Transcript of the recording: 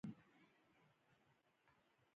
سهار په خیر !